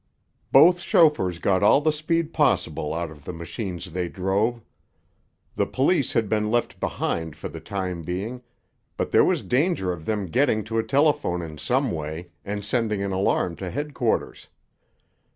Both chauffeurs got all the speed possible out of the machines they drove. The police had been left behind for the time being, but there was danger of them getting to a telephone in some way and sending an alarm to headquarters.